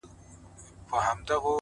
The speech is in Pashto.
o خير دی . دى كه اوسيدونكى ستا د ښار دى.